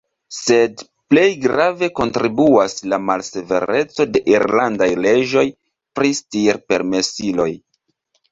Sed plej grave kontribuas la malsevereco de irlandaj leĝoj pri stirpermesiloj.